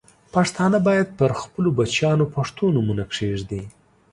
پښتانه باید پر خپلو بچیانو پښتو نومونه کښېږدي.